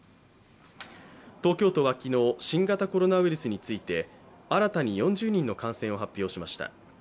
東京都は昨日新型コロナウイルスについて新たに４０人の感染を発表しました。